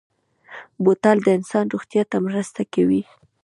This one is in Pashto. بوتل د انسان روغتیا ته مرسته کوي.